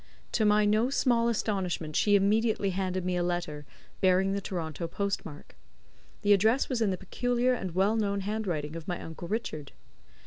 To my no small astonishment she immediately handed me a letter, bearing the Toronto post mark. The address was in the peculiar and well known handwriting of my uncle Richard.